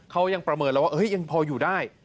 เขายังประเมินแล้วว่ายังพออยู่ได้